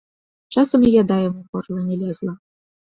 Часам і яда яму ў горла не лезла.